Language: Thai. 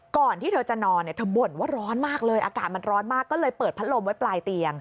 ก่อนที่เธอจะนอนเนี่ยเธอบ่นว่าร้อนมากเลยอากาศมันร้อนมากก็เลยเปิดพัดลมไว้ปลายเตียง